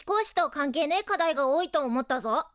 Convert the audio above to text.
関係ねえ課題が多いと思ったぞ。